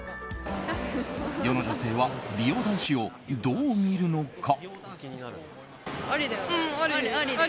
世の女性は美容男子をどう見るのか？